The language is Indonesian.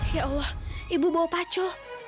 ya allah ibu mau pacu